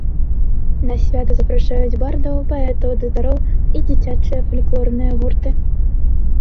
На свята запрашаюць бардаў, паэтаў, дудароў і дзіцячыя фальклорныя гурты.